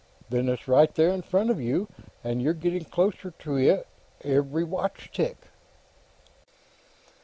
"Then it's right there in front of you, and you're getting closer to it, every watch tick."